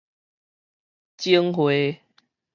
整匯